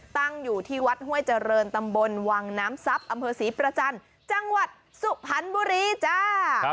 ตั้งอยู่ที่วัดห้วยเจริญตำบลวังน้ำทรัพย์อำเภอศรีประจันทร์จังหวัดสุพรรณบุรีจ้า